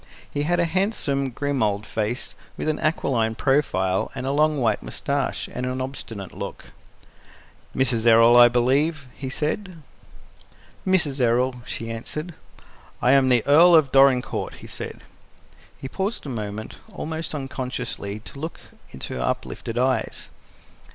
He had a handsome, grim old face, with an aquiline profile, a long white mustache, and an obstinate look. "Mrs. Errol, I believe?" he said. "Mrs. Errol," she answered. "I am the Earl of Dorincourt," he said. He paused a moment, almost unconsciously, to look into her uplifted eyes.